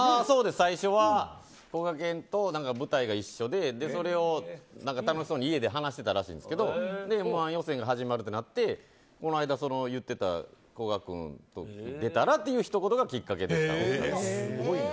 最初はこがけんと舞台が一緒で、それを楽しそうに家で話してたらしいんですけど「Ｍ‐１」の予選が始まるってなってこの間、言ってたこが君と出たら？っていうひと言がきっかけでした。